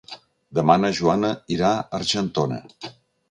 Demà na Joana irà a Argentona.